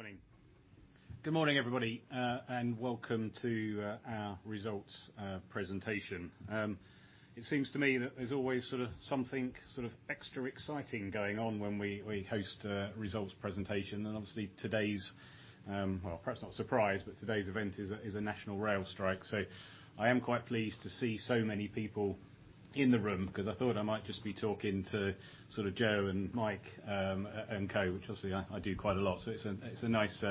Good morning. Good morning, everybody, and welcome to our results presentation. It seems to me that there's always sort of something sort of extra exciting going on when we host a results presentation. Obviously today's well, perhaps not a surprise, but today's event is a national rail strike. I am quite pleased to see so many people in the room because I thought I might just be talking to sort of Joe and Mike and Co, which obviously I do quite a lot. It's a nice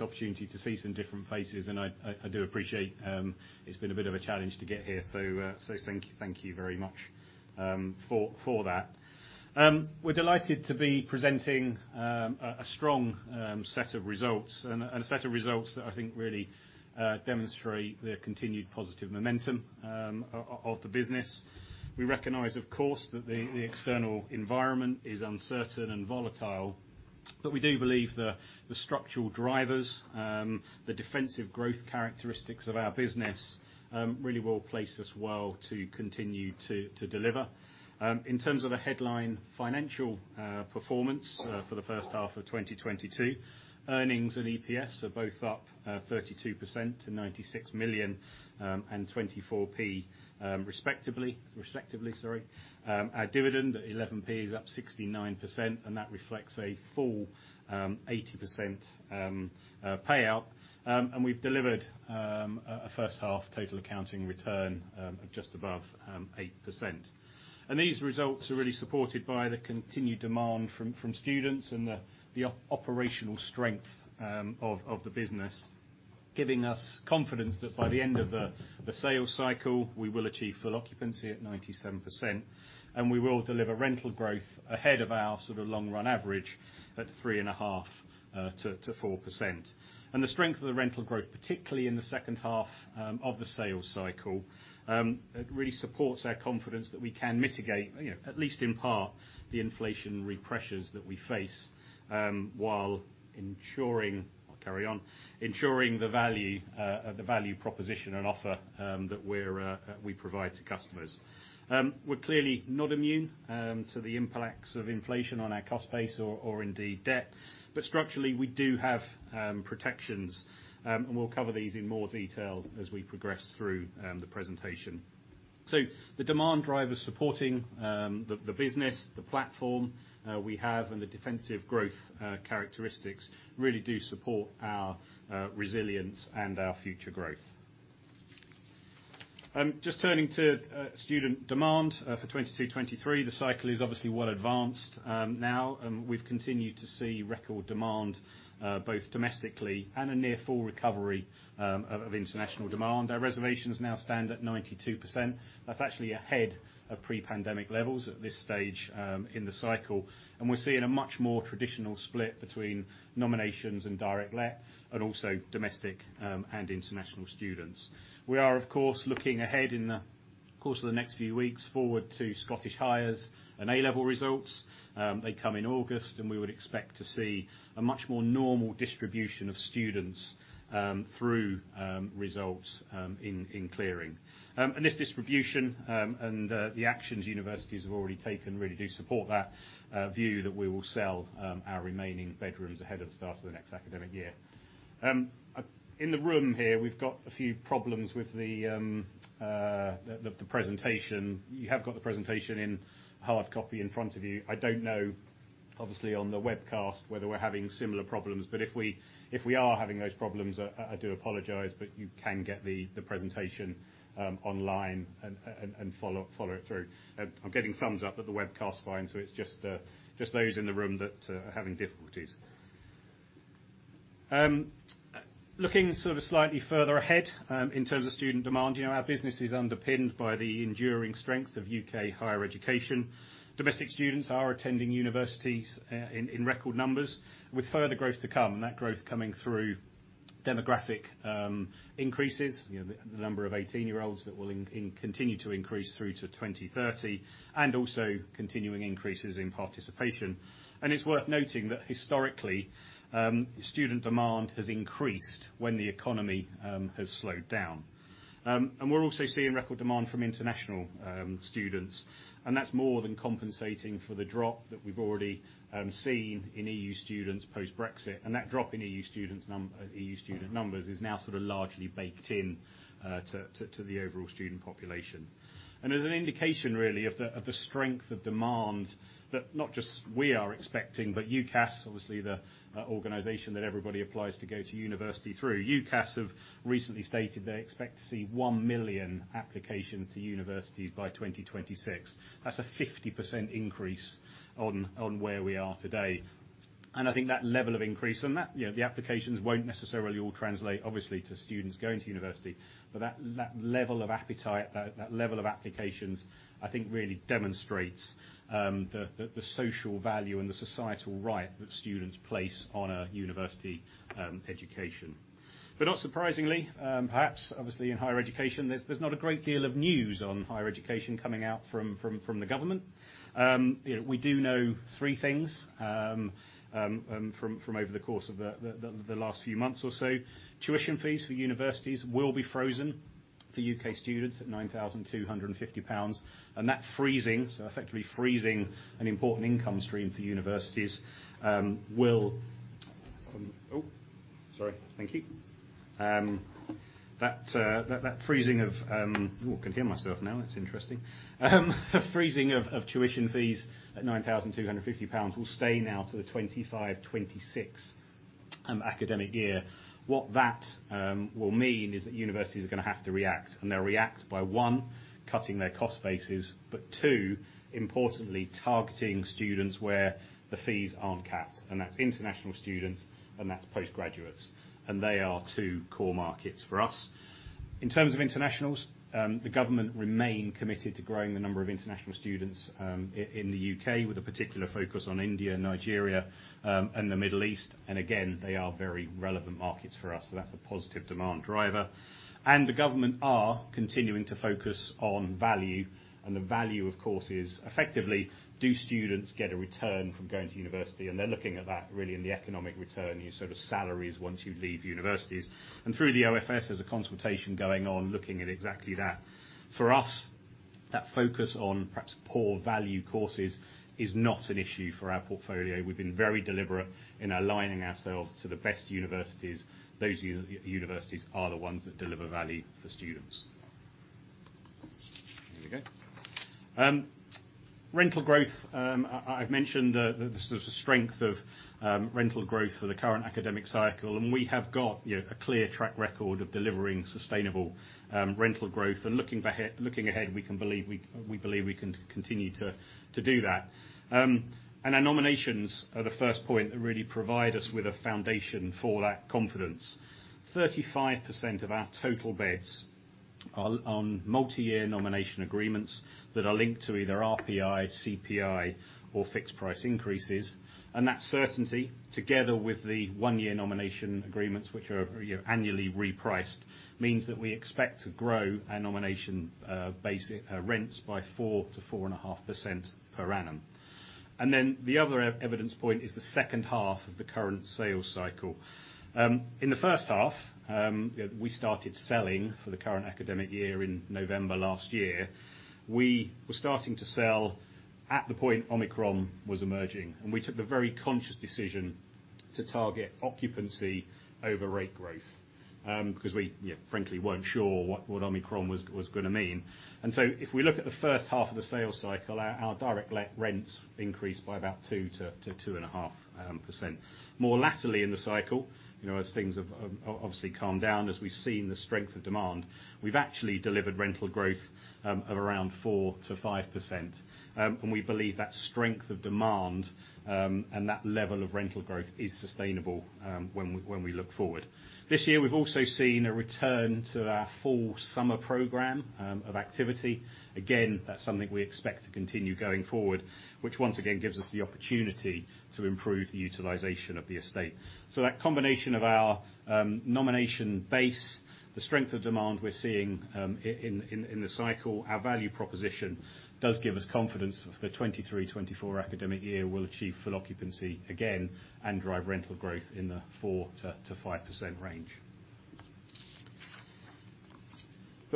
opportunity to see some different faces, and I do appreciate it's been a bit of a challenge to get here, so thank you very much for that. We're delighted to be presenting a strong set of results and a set of results that I think really demonstrate the continued positive momentum of the business. We recognize, of course, that the external environment is uncertain and volatile, but we do believe the structural drivers, the defensive growth characteristics of our business really will place us well to continue to deliver. In terms of a headline financial performance for the first half of 2022, earnings and EPS are both up 32% to 96 million and 24p, respectively. Our dividend at 11p is up 69%, and that reflects a full 80% payout. We've delivered a first half total accounting return of just above 8%. These results are really supported by the continued demand from students and the operational strength of the business, giving us confidence that by the end of the sales cycle, we will achieve full occupancy at 97%, and we will deliver rental growth ahead of our sort of long run average at 3.5%-4%. The strength of the rental growth, particularly in the second half of the sales cycle, really supports our confidence that we can mitigate, you know, at least in part, the inflationary pressures that we face, while ensuring the value proposition and offer that we provide to customers. We're clearly not immune to the impacts of inflation on our cost base or indeed debt, but structurally, we do have protections, and we'll cover these in more detail as we progress through the presentation. The demand drivers supporting the business, the platform we have and the defensive growth characteristics really do support our resilience and our future growth. Just turning to student demand for 2022-2023. The cycle is obviously well advanced now, and we've continued to see record demand both domestically and a near full recovery of international demand. Our reservations now stand at 92%. That's actually ahead of pre-pandemic levels at this stage in the cycle, and we're seeing a much more traditional split between nominations and direct let and also domestic and international students. We are of course looking ahead in the course of the next few weeks forward to Scottish Highers and A-level results. They come in August, and we would expect to see a much more normal distribution of students through results in clearing. This distribution and the actions universities have already taken really do support that view that we will sell our remaining bedrooms ahead of the start of the next academic year. In the room here, we've got a few problems with the presentation. You have got the presentation in hard copy in front of you. I don't know, obviously on the webcast, whether we're having similar problems, but if we are having those problems, I do apologize. You can get the presentation online and follow it through. I'm getting thumbs up that the webcast fine, so it's just those in the room that are having difficulties. Looking sort of slightly further ahead in terms of student demand, you know, our business is underpinned by the enduring strength of U.K. higher education. Domestic students are attending universities in record numbers, with further growth to come, and that growth coming through demographic increases. You know, the number of 18-year-olds that will continue to increase through to 2030, and also continuing increases in participation. It's worth noting that historically, student demand has increased when the economy has slowed down. We're also seeing record demand from international students, and that's more than compensating for the drop that we've already seen in EU students post-Brexit. That drop in EU student numbers is now sort of largely baked in to the overall student population. As an indication really of the strength of demand that not just we are expecting, but UCAS, obviously the organization that everybody applies to go to university through. UCAS have recently stated they expect to see 1 million applications to universities by 2026. That's a 50% increase on where we are today. I think that level of increase and that, you know, the applications won't necessarily all translate obviously to students going to university. That level of appetite, that level of applications, I think really demonstrates the social value and the societal right that students place on a university education. not surprisingly, perhaps obviously in higher education, there's not a great deal of news on higher education coming out from the government. you know, we do know three things from over the course of the last few months or so. Tuition fees for universities will be frozen. For U.K. students at 9,250 pounds. that freezing, so effectively freezing an important income stream for universities. The freezing of tuition fees at 9,250 pounds will stay now to the 2025, 2026 academic year. What that will mean is that universities are gonna have to react, and they'll react by, one, cutting their cost bases, but two, importantly, targeting students where the fees aren't capped, and that's international students, and that's postgraduates. They are two core markets for us. In terms of internationals, the government remain committed to growing the number of international students in the U.K., with a particular focus on India, Nigeria, and the Middle East. Again, they are very relevant markets for us, so that's a positive demand driver. The government are continuing to focus on value, and the value, of course, is effectively do students get a return from going to university? They're looking at that really in the economic return, your sort of salaries once you leave universities. Through the OfS, there's a consultation going on looking at exactly that. For us, that focus on perhaps poor value courses is not an issue for our portfolio. We've been very deliberate in aligning ourselves to the best universities. Those universities are the ones that deliver value for students. There we go. Rental growth. I've mentioned the sort of strength of rental growth for the current academic cycle, and we have got, you know, a clear track record of delivering sustainable rental growth. Looking ahead, we believe we can continue to do that. Our nominations are the first point that really provide us with a foundation for that confidence. 35% of our total beds are on multi-year nomination agreements that are linked to either RPI, CPI, or fixed price increases. That certainty, together with the one-year nomination agreements, which are, you know, annually repriced, means that we expect to grow our nomination basic rents by 4%-4.5% per annum. Then the other evidence point is the second half of the current sales cycle. In the first half, you know, we started selling for the current academic year in November last year. We were starting to sell at the point Omicron was emerging, and we took the very conscious decision to target occupancy over rate growth, 'cause we, you know, frankly weren't sure what Omicron was gonna mean. If we look at the first half of the sales cycle, our direct-let rents increased by about 2%-2.5%. More latterly in the cycle, you know, as things have obviously calmed down, as we've seen the strength of demand, we've actually delivered rental growth of around 4%-5%. We believe that strength of demand and that level of rental growth is sustainable when we look forward. This year, we've also seen a return to our full summer program of activity. Again, that's something we expect to continue going forward, which once again gives us the opportunity to improve the utilization of the estate. That combination of our nomination base, the strength of demand we're seeing in the cycle, our value proposition does give us confidence for the 2023-2024 academic year we'll achieve full occupancy again and drive rental growth in the 4%-5% range.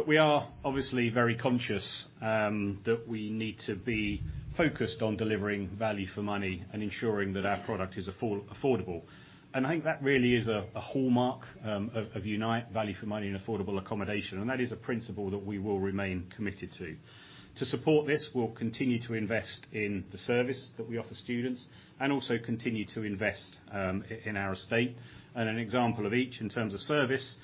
We are obviously very conscious that we need to be focused on delivering value for money and ensuring that our product is affordable. I think that really is a hallmark of Unite, value for money and affordable accommodation, and that is a principle that we will remain committed to. To support this, we'll continue to invest in the service that we offer students, and also continue to invest in our estate. An example of each in terms of service,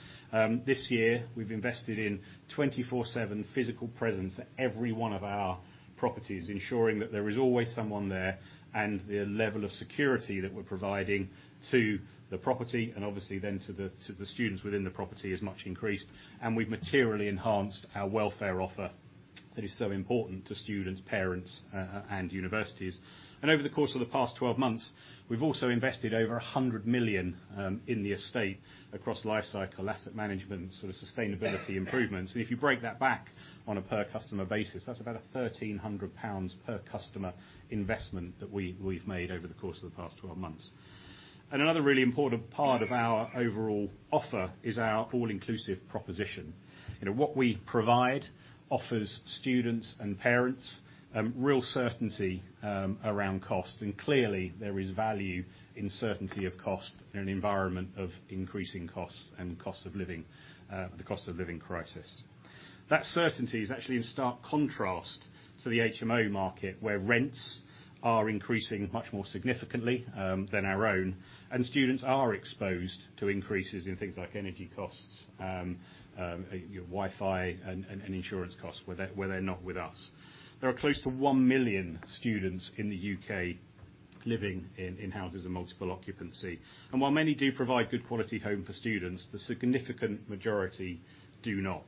this year, we've invested in 24/7 physical presence at every one of our properties, ensuring that there is always someone there, and the level of security that we're providing to the property and obviously then to the students within the property is much increased. We've materially enhanced our welfare offer that is so important to students, parents, and universities. Over the course of the past 12 months, we've also invested over 100 million in the estate across lifecycle, asset management, sort of sustainability improvements. If you break that back on a per customer basis, that's about a 1,300 pounds per customer investment that we've made over the course of the past 12 months. Another really important part of our overall offer is our all-inclusive proposition. You know, what we provide offers students and parents real certainty around cost. Clearly, there is value in certainty of cost in an environment of increasing costs and cost of living, the cost of living crisis. That certainty is actually in stark contrast to the HMO market, where rents are increasing much more significantly than our own, and students are exposed to increases in things like energy costs, you know, Wi-Fi and insurance costs where they're not with us. There are close to 1 million students in the U.K. living in houses of multiple occupancy, and while many do provide good quality home for students, the significant majority do not.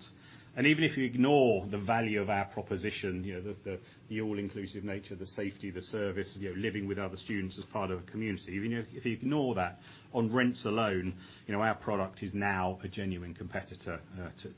Even if you ignore the value of our proposition, you know, the all-inclusive nature, the safety, the service, you know, living with other students as part of a community, even if you ignore that, on rents alone, you know, our product is now a genuine competitor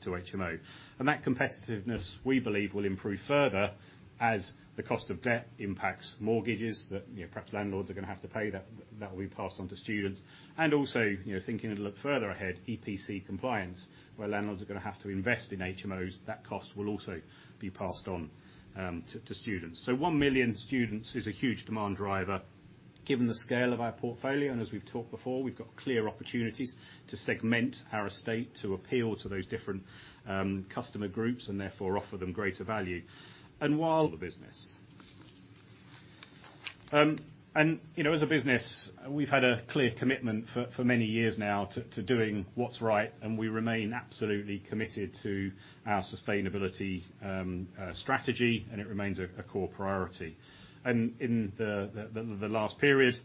to HMO. That competitiveness, we believe, will improve further as the cost of debt impacts mortgages that perhaps landlords are gonna have to pay that will be passed on to students. Thinking a little further ahead, EPC compliance, where landlords are gonna have to invest in HMOs, that cost will also be passed on to students. 1 million students is a huge demand driver. Given the scale of our portfolio, and as we've talked before, we've got clear opportunities to segment our estate to appeal to those different customer groups and therefore offer them greater value. As a business, we've had a clear commitment for many years now to doing what's right, and we remain absolutely committed to our sustainability strategy, and it remains a core priority. In the last period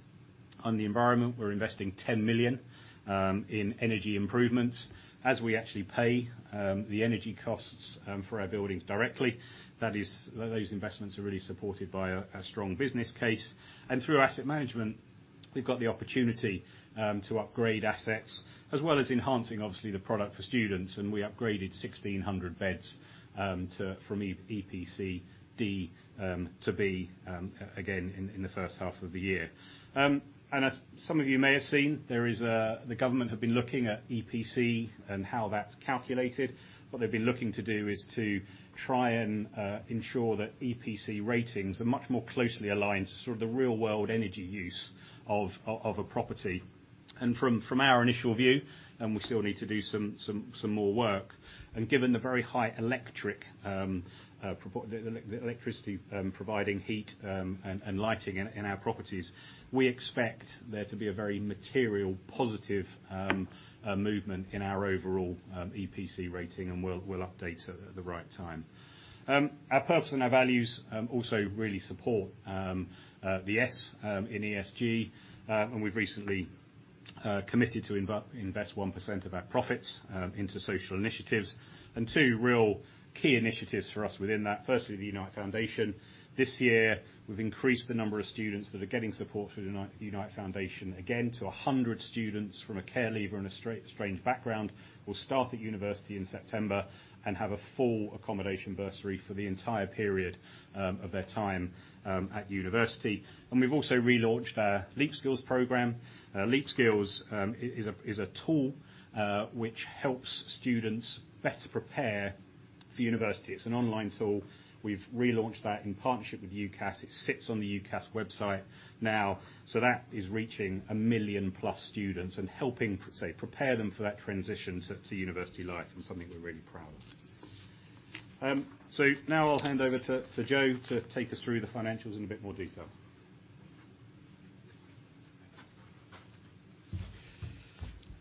on the environment, we're investing 10 million in energy improvements. As we actually pay the energy costs for our buildings directly, those investments are really supported by a strong business case. Through asset management, we've got the opportunity to upgrade assets as well as enhancing obviously the product for students, and we upgraded 1,600 beds to from EPC D to B again in the first half of the year. As some of you may have seen, the government have been looking at EPC and how that's calculated. What they've been looking to do is to try and ensure that EPC ratings are much more closely aligned to sort of the real-world energy use of a property. From our initial view, we still need to do some more work, and given the very high electricity providing heat and lighting in our properties, we expect there to be a very material positive movement in our overall EPC rating, and we'll update at the right time. Our purpose and our values also really support the S in ESG, and we've recently committed to invest 1% of our profits into social initiatives. Two real key initiatives for us within that, firstly, the Unite Foundation. This year, we've increased the number of students that are getting support through Unite Foundation again to 100 students from a care leaver and estranged background, will start at university in September and have a full accommodation bursary for the entire period of their time at university. We've also relaunched our Leapskills program. Leapskills is a tool which helps students better prepare for university. It's an online tool. We've relaunched that in partnership with UCAS. It sits on the UCAS website now. That is reaching 1 million+ students and helping prepare them for that transition to university life and something we're really proud of. Now I'll hand over to Joe to take us through the financials in a bit more detail.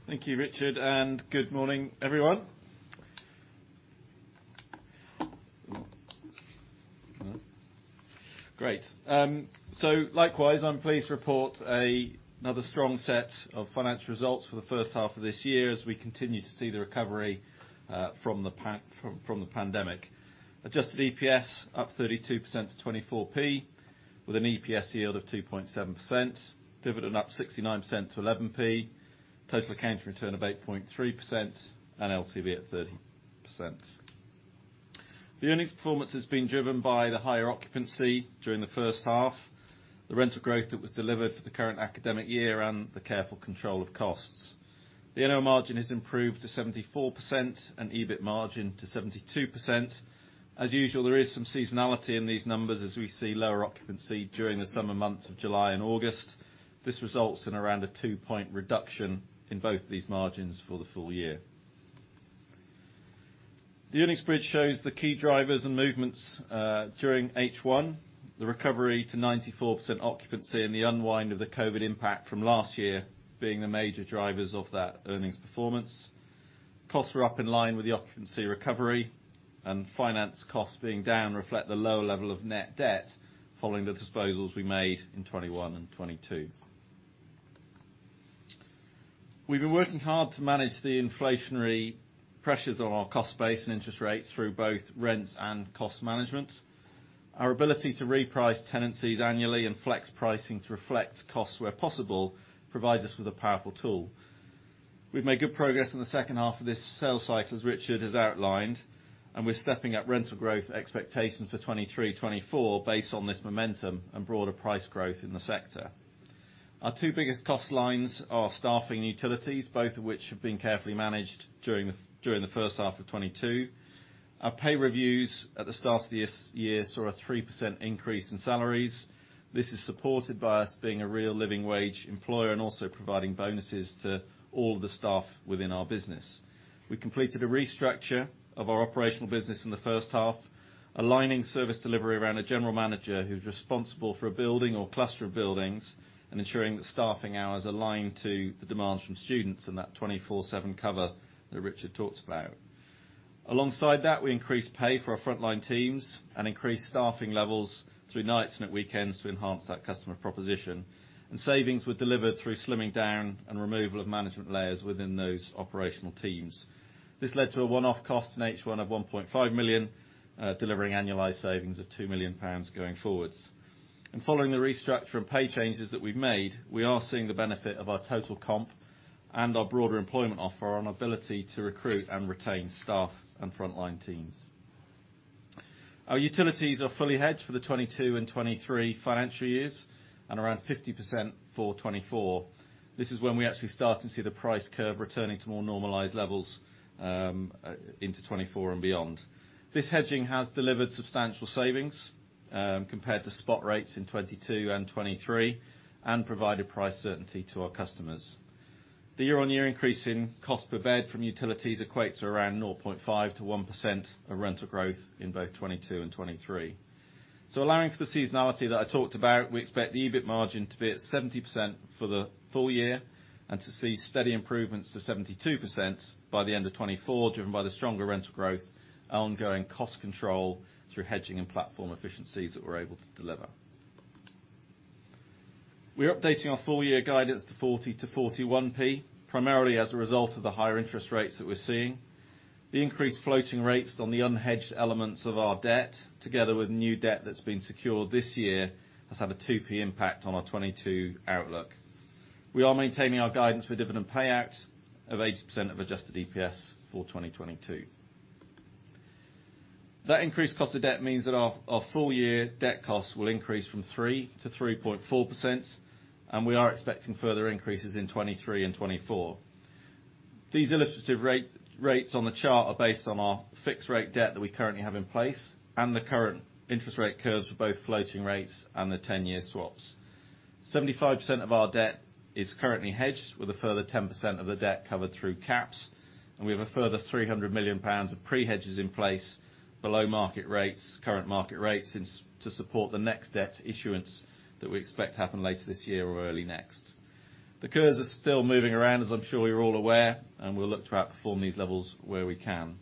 Thank you, Richard, and good morning, everyone. Great. Likewise, I'm pleased to report another strong set of financial results for the first half of this year as we continue to see the recovery from the pandemic. Adjusted EPS up 32% to 24p, with an EPS yield of 2.7%. Dividend up 69% to 11p. Total accounting return of 8.3% and LTV at 30%. The earnings performance has been driven by the higher occupancy during the first half, the rental growth that was delivered for the current academic year, and the careful control of costs. The NOI margin has improved to 74% and EBIT margin to 72%. As usual, there is some seasonality in these numbers as we see lower occupancy during the summer months of July and August. This results in around a 2-point reduction in both these margins for the full year. The earnings bridge shows the key drivers and movements during H1, the recovery to 94% occupancy and the unwind of the COVID impact from last year being the major drivers of that earnings performance. Costs were up in line with the occupancy recovery and finance costs being down reflect the lower level of net debt following the disposals we made in 2021 and 2022. We've been working hard to manage the inflationary pressures on our cost base and interest rates through both rents and cost management. Our ability to reprice tenancies annually and flex pricing to reflect costs where possible provides us with a powerful tool. We've made good progress in the second half of this sell cycle, as Richard has outlined, and we're stepping up rental growth expectations for 2023, 2024 based on this momentum and broader price growth in the sector. Our two biggest cost lines are staffing and utilities, both of which have been carefully managed during the first half of 2022. Our pay reviews at the start of the school year saw a 3% increase in salaries. This is supported by us being a real living wage employer and also providing bonuses to all the staff within our business. We completed a restructure of our operational business in the first half, aligning service delivery around a general manager who's responsible for a building or cluster of buildings and ensuring that staffing hours align to the demands from students and that 24/7 cover that Richard talked about. Alongside that, we increased pay for our frontline teams and increased staffing levels through nights and at weekends to enhance that customer proposition. Savings were delivered through slimming down and removal of management layers within those operational teams. This led to a one-off cost in H1 of 1.5 million, delivering annualized savings of 2 million pounds going forward. Following the restructure and pay changes that we've made, we are seeing the benefit of our total comp and our broader employment offer on our ability to recruit and retain staff and frontline teams. Our utilities are fully hedged for the 2022 and 2023 financial years and around 50% for 2024. This is when we actually start to see the price curve returning to more normalized levels into 2024 and beyond. This hedging has delivered substantial savings, compared to spot rates in 2022 and 2023 and provided price certainty to our customers. The year-on-year increase in cost per bed from utilities equates to around 0.5%-1% of rental growth in both 2022 and 2023. Allowing for the seasonality that I talked about, we expect the EBIT margin to be at 70% for the full year, and to see steady improvements to 72% by the end of 2024, driven by the stronger rental growth, ongoing cost control through hedging and platform efficiencies that we're able to deliver. We're updating our full year guidance to 40-41p, primarily as a result of the higher interest rates that we're seeing. The increased floating rates on the unhedged elements of our debt, together with new debt that's been secured this year, has had a 2p impact on our 2022 outlook. We are maintaining our guidance for dividend payout of 80% of adjusted EPS for 2022. That increased cost of debt means that our full year debt costs will increase from 3%-3.4%, and we are expecting further increases in 2023 and 2024. These illustrative rates on the chart are based on our fixed rate debt that we currently have in place and the current interest rate curves for both floating rates and the 10-year swaps. 75% of our debt is currently hedged with a further 10% of the debt covered through caps, and we have a further 300 million pounds of pre-hedges in place below current market rates to support the next debt issuance that we expect to happen later this year or early next. The curves are still moving around, as I'm sure you're all aware, and we'll look to outperform these levels where we can.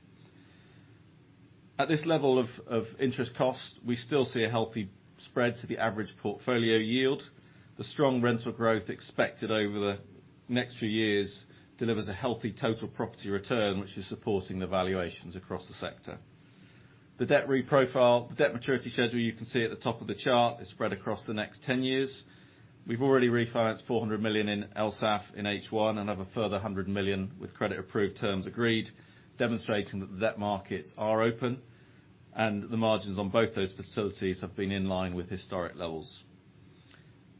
At this level of interest costs, we still see a healthy spread to the average portfolio yield. The strong rental growth expected over the next few years delivers a healthy total property return, which is supporting the valuations across the sector. The debt reprofile. The debt maturity schedule you can see at the top of the chart is spread across the next 10 years. We've already refinanced 400 million in USAF in H1 and have a further 100 million with credit approved terms agreed, demonstrating that the debt markets are open and the margins on both those facilities have been in line with historic levels.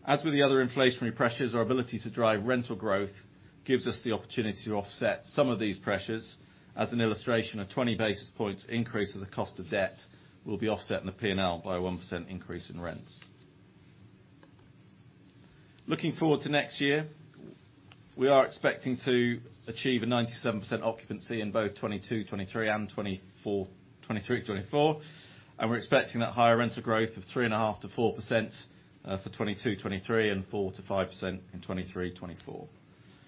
As with the other inflationary pressures, our ability to drive rental growth gives us the opportunity to offset some of these pressures. As an illustration, a 20 basis points increase in the cost of debt will be offset in the P&L by a 1% increase in rents. Looking forward to next year, we are expecting to achieve a 97% occupancy in both 2022, 2023, and 2024. We're expecting that higher rental growth of 3.5%-4% for 2022, 2023, and 4%-5% in 2023, 2024.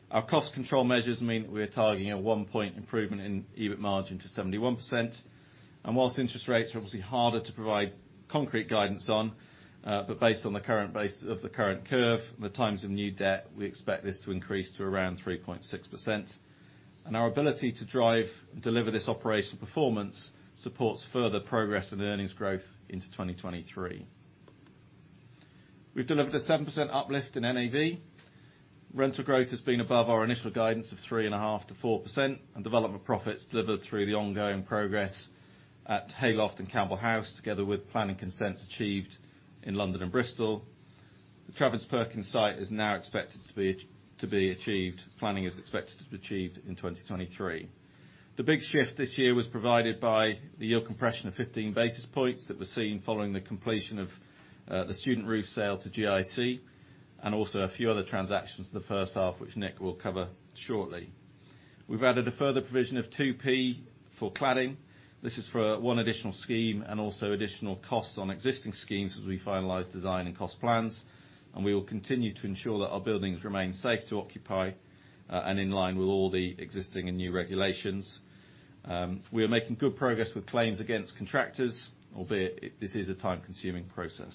Our cost control measures mean that we are targeting a one-point improvement in EBIT margin to 71%. While interest rates are obviously harder to provide concrete guidance on, but based on the current basis of the curve and the terms of new debt, we expect this to increase to around 3.6%. Our ability to drive and deliver this operational performance supports further progress in earnings growth into 2023. We've delivered a 7% uplift in NAV. Rental growth has been above our initial guidance of 3.5%-4%, and development profits delivered through the ongoing progress at Hayloft and Campbell House, together with planning consents achieved in London and Bristol. The Travis Perkins site is now expected to be achieved. Planning is expected to be achieved in 2023. The big shift this year was provided by the yield compression of 15 basis points that were seen following the completion of the Student Roost sale to GIC, and also a few other transactions in the first half, which Nick will cover shortly. We've added a further provision of 2p for cladding. This is for one additional scheme and also additional costs on existing schemes as we finalize design and cost plans, and we will continue to ensure that our buildings remain safe to occupy and in line with all the existing and new regulations. We are making good progress with claims against contractors, albeit this is a time-consuming process.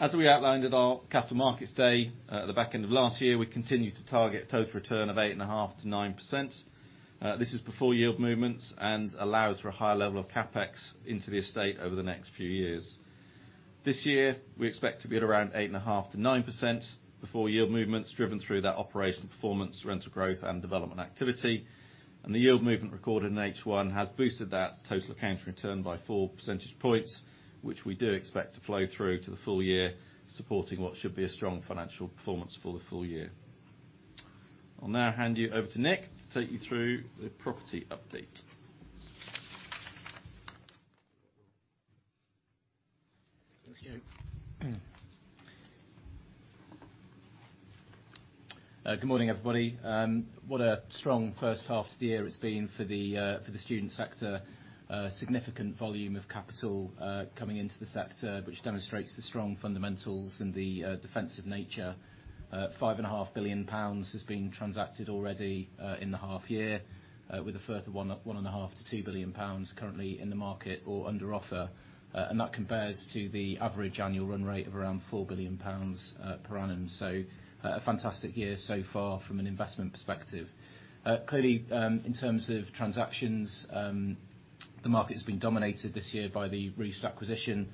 As we outlined at our Capital Markets Day at the back end of last year, we continue to target a total return of 8.5%-9%. This is before yield movements and allows for a higher level of CapEx into the estate over the next few years. This year, we expect to be at around 8.5%-9% before yield movements driven through that operational performance, rental growth and development activity. The yield movement recorded in H1 has boosted that total accounting return by 4 percentage points, which we do expect to flow through to the full year, supporting what should be a strong financial performance for the full year. I'll now hand you over to Nick to take you through the property update. Thanks, Joe. Good morning, everybody. What a strong first half to the year it's been for the student sector. Significant volume of capital coming into the sector, which demonstrates the strong fundamentals and the defensive nature. 5.5 billion pounds has been transacted already in the half year, with a further 1.5 million-2 billion pounds currently in the market or under offer. That compares to the average annual run rate of around GBP 4 billion per annum. A fantastic year so far from an investment perspective. Clearly, in terms of transactions, the market has been dominated this year by the Roost acquisition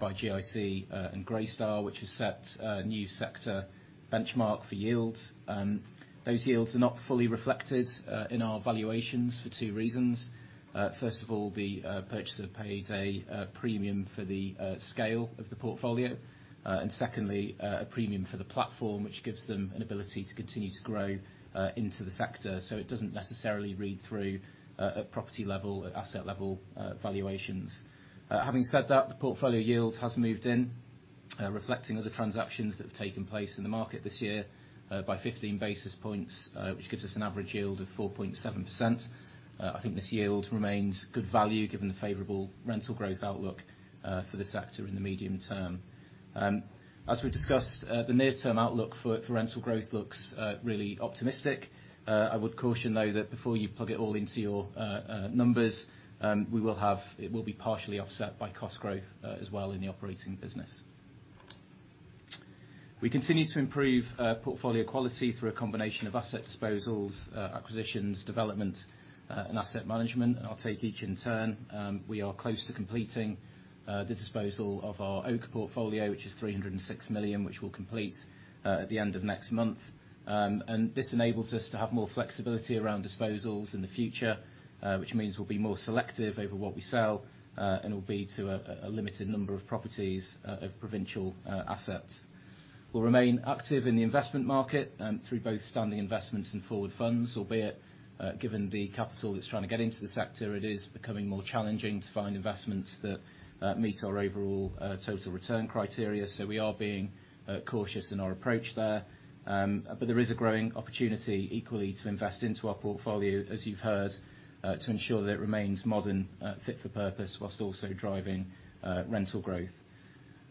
by GIC and Greystar, which has set a new sector benchmark for yields. Those yields are not fully reflected in our valuations for two reasons. First of all, the purchaser paid a premium for the scale of the portfolio. Secondly, a premium for the platform, which gives them an ability to continue to grow into the sector. It doesn't necessarily read through at property level, at asset level valuations. Having said that, the portfolio yield has moved in, reflecting other transactions that have taken place in the market this year by 15 basis points, which gives us an average yield of 4.7%. I think this yield remains good value given the favorable rental growth outlook for the sector in the medium term. As we discussed, the near-term outlook for rental growth looks really optimistic. I would caution, though, that before you plug it all into your numbers, it will be partially offset by cost growth as well in the operating business. We continue to improve portfolio quality through a combination of asset disposals, acquisitions, developments, and asset management. I'll take each in turn. We are close to completing the disposal of our Oak portfolio, which is 306 million, which we'll complete at the end of next month. This enables us to have more flexibility around disposals in the future, which means we'll be more selective over what we sell, and it will be to a limited number of properties of provincial assets. We'll remain active in the investment market, through both standing investments and forward funds, albeit, given the capital that's trying to get into the sector, it is becoming more challenging to find investments that meet our overall total return criteria, so we are being cautious in our approach there. There is a growing opportunity equally to invest into our portfolio, as you've heard, to ensure that it remains modern, fit for purpose, while also driving rental growth.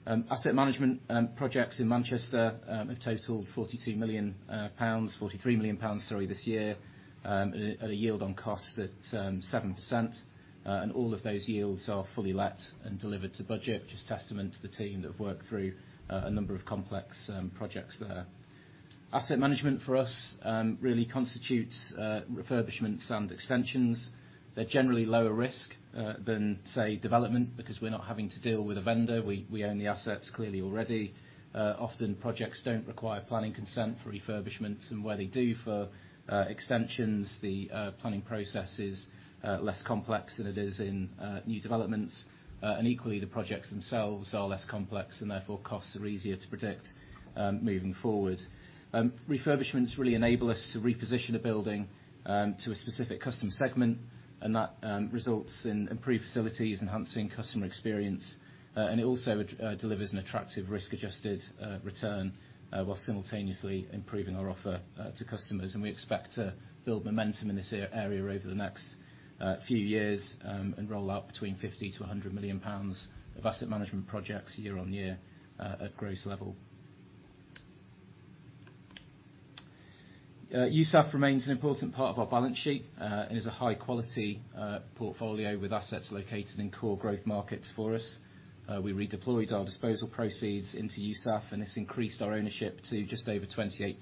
Asset management projects in Manchester have totaled 42 million pounds, 43 million pounds, sorry, this year, at a yield on cost at 7%. All of those yields are fully let and delivered to budget, which is a testament to the team that have worked through a number of complex projects there. Asset management for us really constitutes refurbishments and extensions. They're generally lower risk than, say, development, because we're not having to deal with a vendor. We own the assets clearly already. Often projects don't require planning consent for refurbishments, and where they do for extensions, the planning process is less complex than it is in new developments. Equally, the projects themselves are less complex and therefore costs are easier to predict moving forward. Refurbishments really enable us to reposition a building to a specific customer segment, and that results in improved facilities, enhancing customer experience. It also delivers an attractive risk-adjusted return while simultaneously improving our offer to customers. We expect to build momentum in this area over the next few years and roll out between 50 million and 100 million pounds of asset management projects year-on-year at gross level. USAF remains an important part of our balance sheet and is a high-quality portfolio with assets located in core growth markets for us. We redeployed our disposal proceeds into USAF, and it's increased our ownership to just over 28%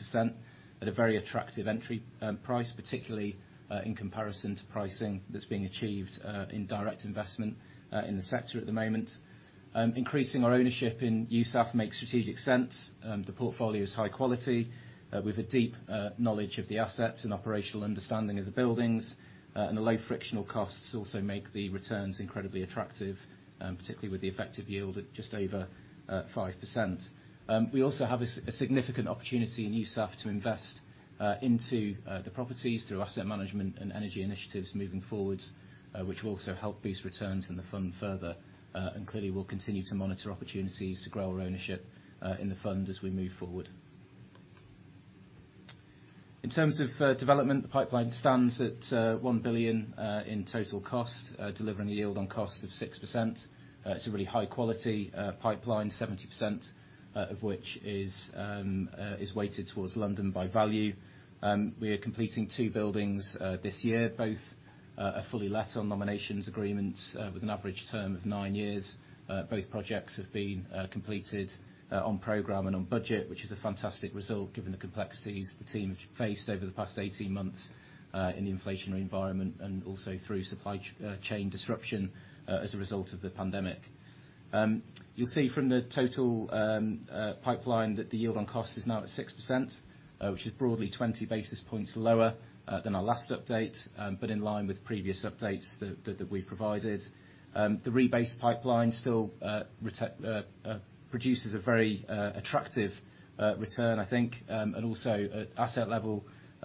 at a very attractive entry price, particularly in comparison to pricing that's being achieved in direct investment in the sector at the moment. Increasing our ownership in USAF makes strategic sense. The portfolio is high quality, with a deep knowledge of the assets and operational understanding of the buildings. The low frictional costs also make the returns incredibly attractive, particularly with the effective yield at just over 5%. We also have a significant opportunity in USAF to invest into the properties through asset management and energy initiatives moving forward, which will also help boost returns in the fund further. Clearly we'll continue to monitor opportunities to grow our ownership in the fund as we move forward. In terms of development, the pipeline stands at 1 billion in total cost, delivering a yield on cost of 6%. It's a really high quality pipeline, 70% of which is weighted towards London by value. We are completing two buildings this year, both are fully let on nominations agreements with an average term of nine years. Both projects have been completed on program and on budget, which is a fantastic result given the complexities the team have faced over the past 18 months in the inflationary environment and also through supply chain disruption as a result of the pandemic. You'll see from the total pipeline that the yield on cost is now at 6%, which is broadly 20 basis points lower than our last update, but in line with previous updates that we've provided. The rebase pipeline still produces a very attractive return, I think. Also at asset level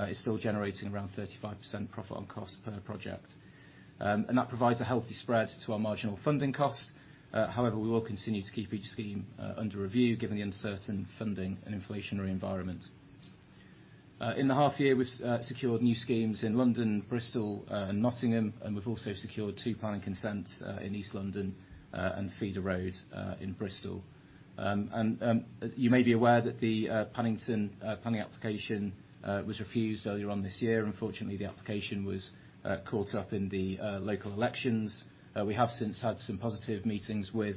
is still generating around 35% profit on cost per project. That provides a healthy spread to our marginal funding cost. However, we will continue to keep each scheme under review given the uncertain funding and inflationary environment. In the half year, we've secured new schemes in London, Bristol, and Nottingham, and we've also secured two planning consents in East London and Feeder Road in Bristol. You may be aware that the Paddington planning application was refused earlier this year. Unfortunately, the application was caught up in the local elections. We have since had some positive meetings with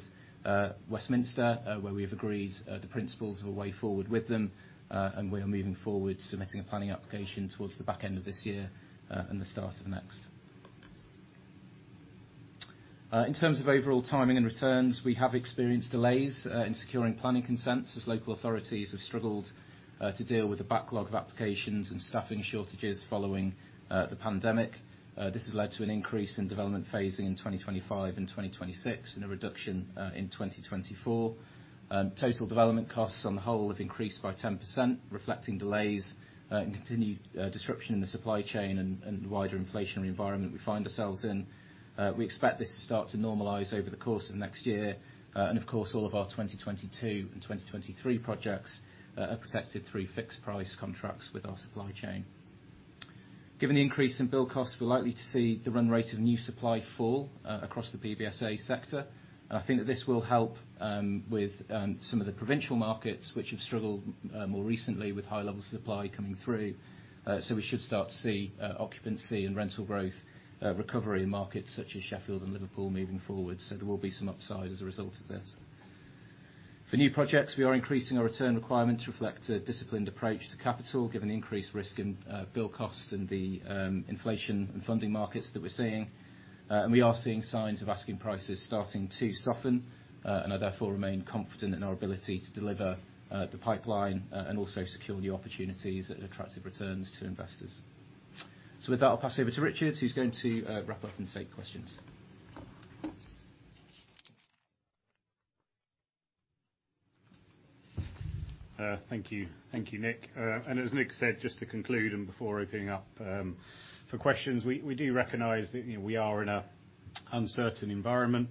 Westminster, where we have agreed the principles of a way forward with them, and we are moving forward submitting a planning application towards the back end of this year, and the start of next. In terms of overall timing and returns, we have experienced delays in securing planning consents as local authorities have struggled to deal with the backlog of applications and staffing shortages following the pandemic. This has led to an increase in development phasing in 2025 and 2026, and a reduction in 2024. Total development costs on the whole have increased by 10% reflecting delays and continued disruption in the supply chain and the wider inflationary environment we find ourselves in. We expect this to start to normalize over the course of next year. Of course, all of our 2022 and 2023 projects are protected through fixed price contracts with our supply chain. Given the increase in build costs, we're likely to see the run rate of new supply fall across the PBSA sector. I think that this will help with some of the provincial markets which have struggled more recently with high levels of supply coming through. We should start to see occupancy and rental growth recovery in markets such as Sheffield and Liverpool moving forward. There will be some upside as a result of this. For new projects, we are increasing our return requirements to reflect a disciplined approach to capital, given the increased risk in build cost and the inflation and funding markets that we're seeing. We are seeing signs of asking prices starting to soften, and I therefore remain confident in our ability to deliver the pipeline, and also secure new opportunities at attractive returns to investors. With that, I'll pass over to Richard, who's going to wrap up and take questions. Thank you. Thank you, Nick. As Nick said, just to conclude and before opening up for questions, we do recognize that, you know, we are in an uncertain environment,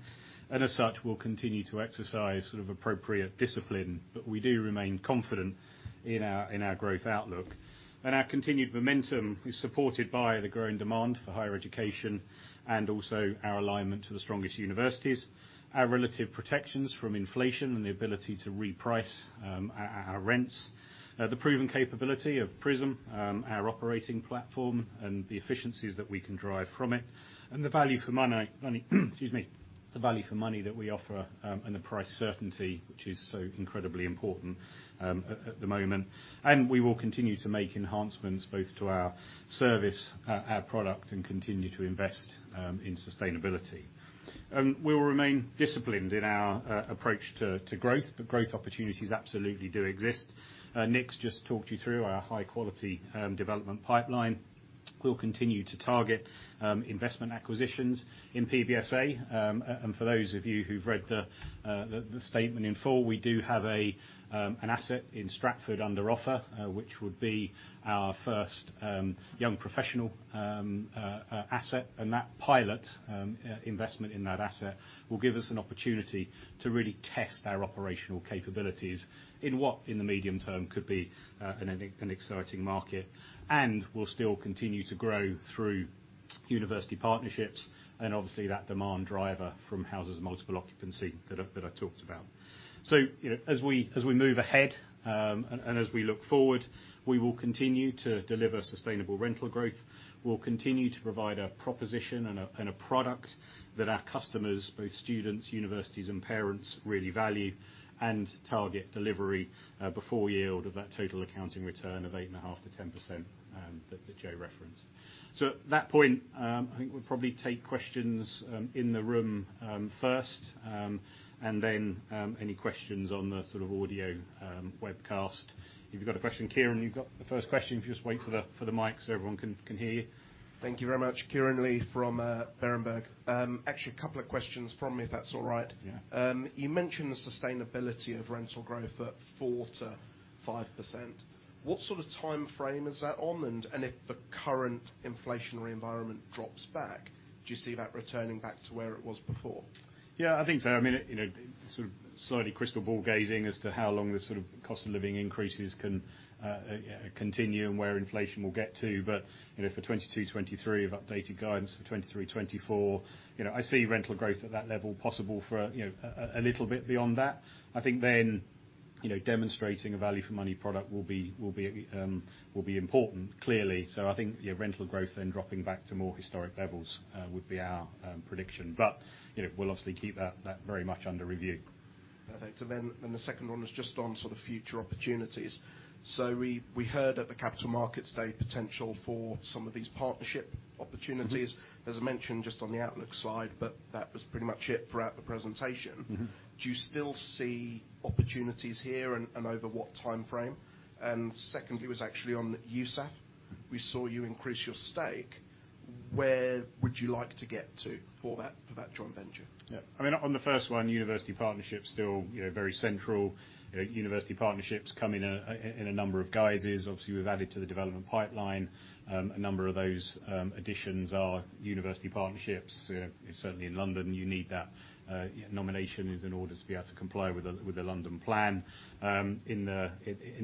and as such, we'll continue to exercise sort of appropriate discipline. We do remain confident in our growth outlook. Our continued momentum is supported by the growing demand for higher education and also our alignment to the strongest universities, our relative protections from inflation and the ability to reprice our rents. The proven capability of PRISM, our operating platform and the efficiencies that we can derive from it, and the value for money that we offer, and the price certainty, which is so incredibly important, at the moment. We will continue to make enhancements both to our service, our product and continue to invest in sustainability. We will remain disciplined in our approach to growth, but growth opportunities absolutely do exist. Nick's just talked you through our high-quality development pipeline. We'll continue to target investment acquisitions in PBSA. For those of you who've read the statement in full, we do have an asset in Stratford under offer, which would be our first young professional asset. That pilot investment in that asset will give us an opportunity to really test our operational capabilities in what, in the medium term, could be an exciting market. We'll still continue to grow through university partnerships and obviously that demand driver from houses of multiple occupancy that I talked about. As we move ahead and as we look forward, we will continue to deliver sustainable rental growth. We'll continue to provide a proposition and a product that our customers, both students, universities and parents, really value. Target delivery before yield of that total accounting return of 8.5%-10%, that Joe referenced. At that point, I think we'll probably take questions in the room first, and then any questions on the sort of audio webcast. If you've got a question, Kieran, you've got the first question. If you just wait for the mic so everyone can hear you. Thank you very much. Kieran Lee from Berenberg. Actually a couple of questions from me, if that's all right. Yeah. You mentioned the sustainability of rental growth at 4%-5%. What sort of timeframe is that on? If the current inflationary environment drops back, do you see that returning back to where it was before? Yeah, I think so. I mean, you know, sort of slightly crystal ball gazing as to how long this sort of cost of living increases can continue and where inflation will get to. You know, for 2022-2023 updated guidance, for 2023-2024, you know, I see rental growth at that level possible for, you know, a little bit beyond that. I think then, you know, demonstrating a value for money product will be important, clearly. I think, you know, rental growth then dropping back to more historic levels would be our prediction. You know, we'll obviously keep that very much under review. Perfect. The second one was just on sort of future opportunities. We heard at the Capital Markets Day potential for some of these partnership opportunities. Mm-hmm As mentioned, just on the outlook side, but that was pretty much it throughout the presentation. Mm-hmm. Do you still see opportunities here and over what timeframe? Secondly, was actually on USAF. We saw you increase your stake. Where would you like to get to for that joint venture? Yeah. I mean, on the first one, university partnerships still, you know, very central. You know, university partnerships come in a number of guises. Obviously, we've added to the development pipeline. A number of those additions are university partnerships. Certainly in London, you need that nominations in order to be able to comply with the London Plan. In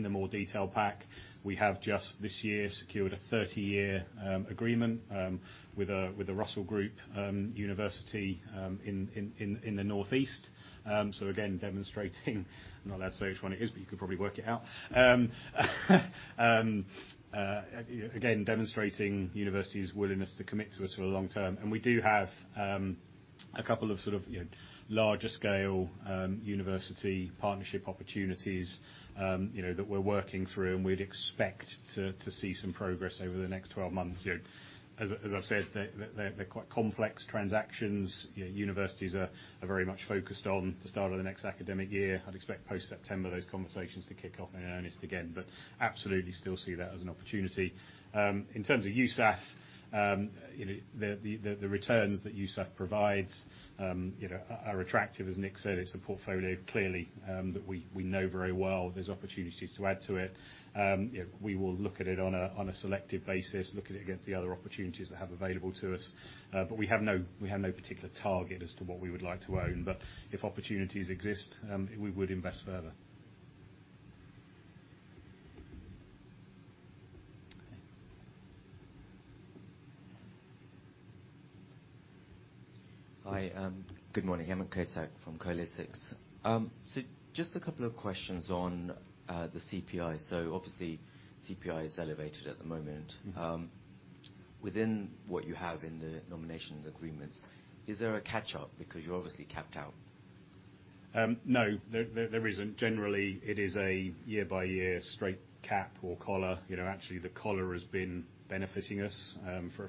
the more detailed pack, we have just this year secured a 30-year agreement with a Russell Group university in the Northeast. So again, demonstrating I'm not allowed to say which one it is, but you could probably work it out. Again, demonstrating university's willingness to commit to us for the long term. We do have a couple of sort of, you know, larger scale university partnership opportunities, you know, that we're working through, and we'd expect to see some progress over the next 12 months. You know, as I've said, they're quite complex transactions. You know, universities are very much focused on the start of the next academic year. I'd expect post-September those conversations to kick off in earnest again. Absolutely still see that as an opportunity. In terms of USAF, you know, the returns that USAF provides, you know, are attractive. As Nick said, it's a portfolio clearly that we know very well. There's opportunities to add to it. You know, we will look at it on a selective basis, look at it against the other opportunities that we have available to us. We have no particular target as to what we would like to own. If opportunities exist, we would invest further. Hi. Good morning. Hemant Kotak from Kolytics. Just a couple of questions on the CPI. Obviously CPI is elevated at the moment. Within what you have in the nominations agreements, is there a catch-up because you're obviously capped out? No, there isn't. Generally, it is a year-by-year straight cap or collar. You know, actually, the collar has been benefiting us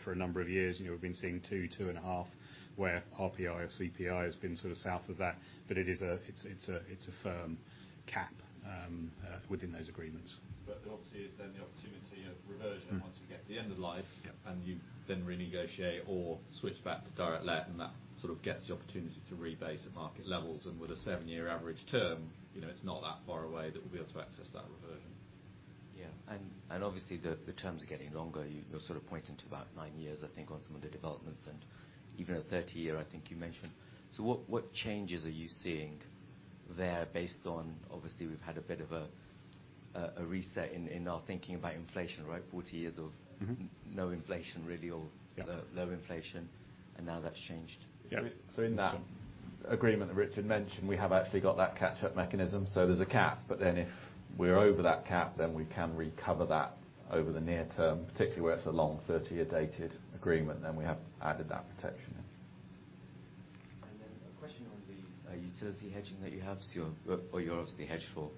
for a number of years. You know, we've been seeing 2.5, where RPI or CPI has been sort of south of that. It is a firm cap within those agreements. Obviously, is then the opportunity of reversion once you get to the end of life. Yeah. You then renegotiate or switch back to direct-let, and that sort of gets the opportunity to rebase at market levels. With a 7-year average term, you know, it's not that far away that we'll be able to access that reversion. Yeah. Obviously the terms are getting longer. You're sort of pointing to about nine years, I think, on some of the developments and even a 30-year, I think you mentioned. What changes are you seeing there based on. Obviously, we've had a bit of a reset in our thinking about inflation, right? 40 years of. Mm-hmm. no inflation really or. Yeah. Low inflation, and now that's changed. Yeah. In that agreement that Richard mentioned, we have actually got that catch-up mechanism. There's a cap, but then if we're over that cap, then we can recover that over the near term, particularly where it's a long 30-year dated agreement, then we have added that protection in. Then a question on the utility hedging that you have still, or you're obviously hedged for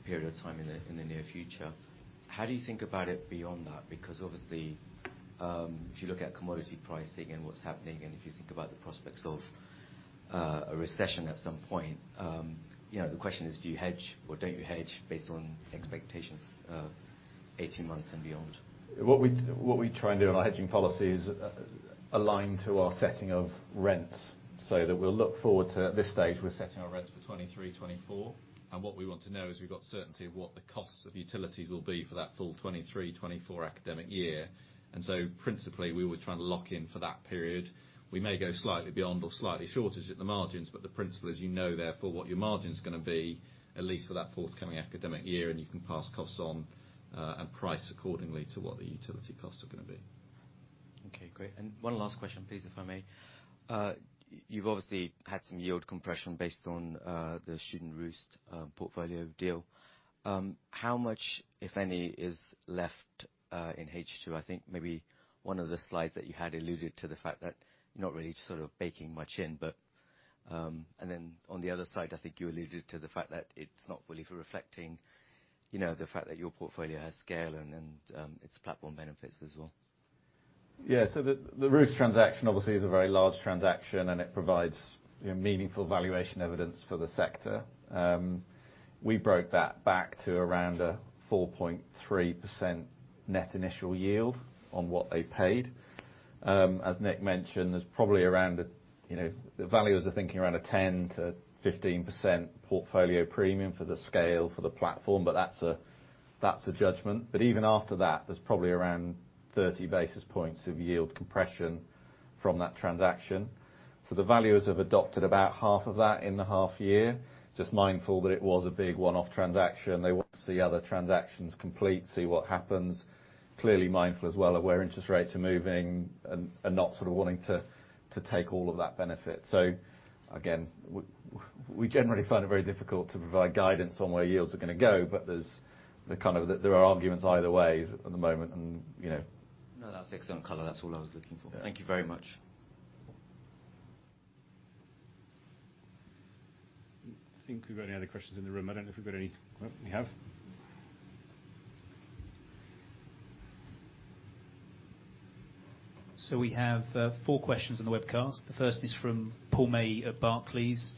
a period of time in the near future. How do you think about it beyond that? Because obviously, if you look at commodity pricing and what's happening and if you think about the prospects of a recession at some point, you know, the question is do you hedge or don't you hedge based on expectations of 18 months and beyond? What we try and do in our hedging policy is align to our setting of rents, so that we'll look forward to, at this stage, we're setting our rents for 2023, 2024. What we want to know is we've got certainty of what the costs of utilities will be for that full 2023, 2024 academic year. Principally, we would try and lock in for that period. We may go slightly beyond or slightly short at the margins, but the principle is you know therefore what your margin's gonna be, at least for that forthcoming academic year, and you can pass costs on, and price accordingly to what the utility costs are gonna be. Okay, great. One last question please, if I may. You've obviously had some yield compression based on the Student Roost portfolio deal. How much, if any, is left in H2? I think maybe one of the slides that you had alluded to the fact that you're not really sort of baking much in, but. Then on the other side, I think you alluded to the fact that it's not fully reflecting, you know, the fact that your portfolio has scale and its platform benefits as well. Yeah. The Student Roost transaction obviously is a very large transaction, and it provides, you know, meaningful valuation evidence for the sector. We worked that back to around a 4.3% net initial yield on what they paid. As Nick mentioned, there's probably around a, you know, the valuers are thinking around a 10%-15% portfolio premium for the scale, for the platform, but that's a judgment. Even after that, there's probably around 30 basis points of yield compression from that transaction. The valuers have adopted about half of that in the half year. Just mindful that it was a big one-off transaction. They want to see other transactions complete, see what happens. Clearly mindful as well of where interest rates are moving and not sort of wanting to take all of that benefit. Again, we generally find it very difficult to provide guidance on where yields are gonna go, but there are arguments either way at the moment, and you know. No, that's excellent color. That's all I was looking for. Yeah. Thank you very much. I don't think we've got any other questions in the room. I don't know if we've got any. Well, we have. We have four questions on the webcast. The first is from Paul May at Barclays.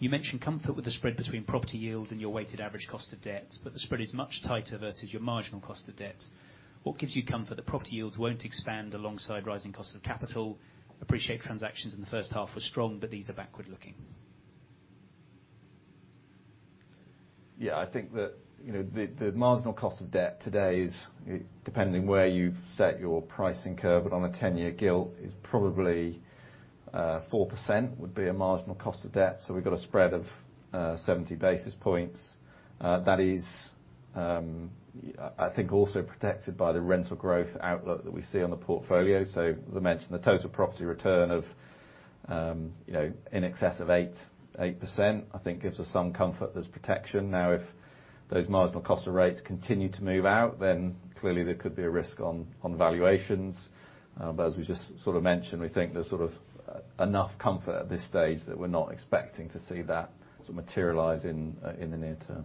You mentioned comfort with the spread between property yield and your weighted average cost of debt, but the spread is much tighter versus your marginal cost of debt. What gives you comfort the property yields won't expand alongside rising cost of capital? Appreciate transactions in the first half were strong, but these are backward looking. Yeah, I think that, you know, the marginal cost of debt today is, depending where you set your pricing curve and on a 10-year gilt, is probably 4% would be a marginal cost of debt. We've got a spread of 70 basis points. That is, I think also protected by the rental growth outlook that we see on the portfolio. As I mentioned, the total property return of, you know, in excess of 8%, I think gives us some comfort there's protection. Now, if those marginal cost of rates continue to move out, then clearly there could be a risk on valuations. As we just sort of mentioned, we think there's sort of enough comfort at this stage that we're not expecting to see that to materialize in the near term.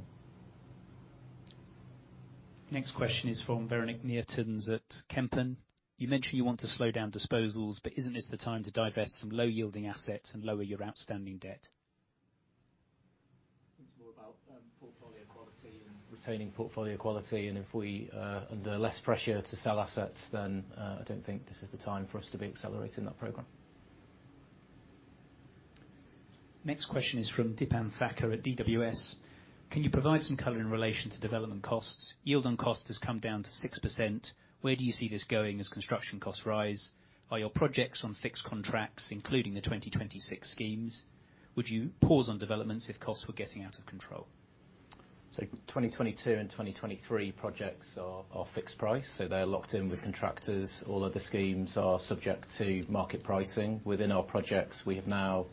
Next question is from Véronique Meertens at Kempen. You mentioned you want to slow down disposals, but isn't this the time to divest some low-yielding assets and lower your outstanding debt? It's more about portfolio quality and retaining portfolio quality, and if we under less pressure to sell assets, then I don't think this is the time for us to be accelerating that program. Next question is from Deepan Thakrar at DWS. Can you provide some color in relation to development costs? Yield on cost has come down to 6%. Where do you see this going as construction costs rise? Are your projects on fixed contracts, including the 2026 schemes? Would you pause on developments if costs were getting out of control? 2022 and 2023 projects are fixed price, so they're locked in with contractors. All other schemes are subject to market pricing. Within our projects, we have now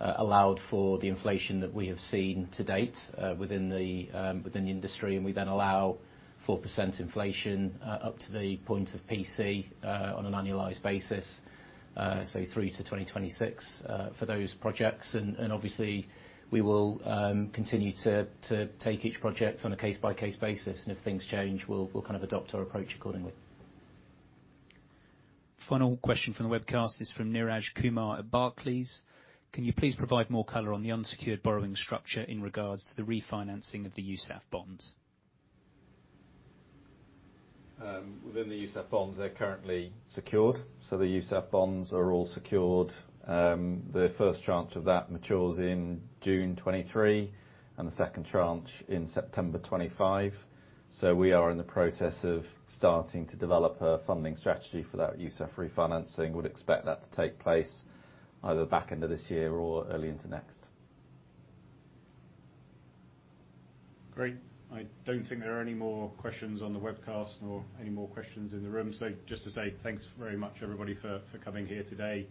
allowed for the inflation that we have seen to date, within the industry, and we then allow 4% inflation up to the point of PC on an annualized basis, through to 2026 for those projects. Obviously we will continue to take each project on a case-by-case basis, and if things change, we'll kind of adopt our approach accordingly. Final question from the webcast is from Neeraj Kumar at Barclays. Can you please provide more color on the unsecured borrowing structure in regards to the refinancing of the USAF bonds? Within the USAF bonds, they're currently secured, so the USAF bonds are all secured. The first tranche of that matures in June 2023, and the second tranche in September 2025. We are in the process of starting to develop a funding strategy for that USAF refinancing. Would expect that to take place either back end of this year or early into next. Great. I don't think there are any more questions on the webcast or any more questions in the room. Just to say thanks very much everybody for coming here today.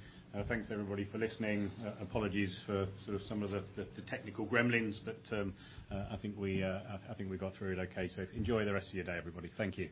Thanks everybody for listening. Apologies for sort of some of the technical gremlins, but I think we got through it okay. Enjoy the rest of your day, everybody. Thank you.